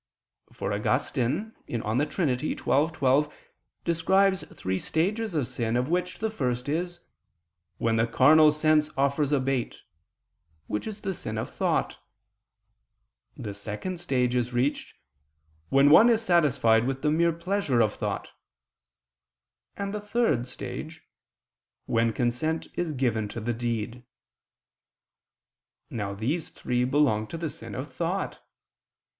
For Augustine (De Trin. xii, 12) describes three stages of sin, of which the first is "when the carnal sense offers a bait," which is the sin of thought; the second stage is reached "when one is satisfied with the mere pleasure of thought"; and the third stage, "when consent is given to the deed." Now these three belong to the sin of thought.